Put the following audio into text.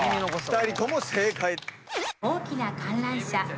２人とも正解。